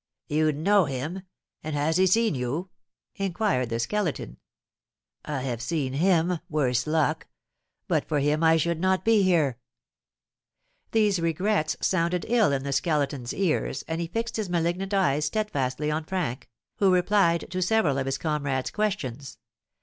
"You know him? And has he seen you?" inquired the Skeleton. "I have seen him, worse luck! But for him I should not be here." These regrets sounded ill in the Skeleton's ears, and he fixed his malignant eyes steadfastly on Frank, who replied to several of his comrade's questions.